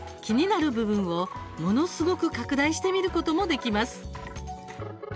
気になる部分をものすごく拡大して見ることもできます。